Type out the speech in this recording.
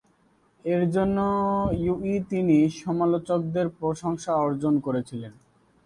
এর জন্য ইয়ু অই তিনি সমালোচকদের প্রশংসা অর্জন করেছিলেন।